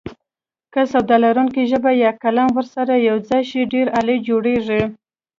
که سواد لرونکې ژبه یا قلم ورسره یوځای شي ډېر عالي جوړیږي.